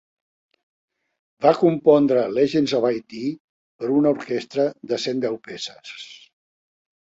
Va compondre "Legends of Haiti" per a una orquestra de cent deu peces.